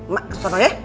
mak selalu ya